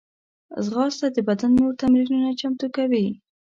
ځغاسته د بدن نور تمرینونه چمتو کوي